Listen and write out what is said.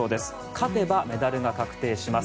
勝てばメダルが確定します。